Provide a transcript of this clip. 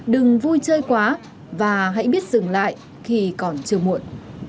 đừng vui chơi quá và hãy biết dừng lại khi còn chưa muộn